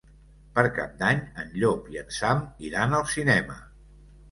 Per Cap d'Any en Llop i en Sam iran al cinema.